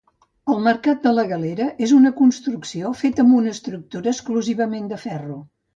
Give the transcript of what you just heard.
El mercat de la Galera és una construcció feta amb una estructura exclusivament de ferro.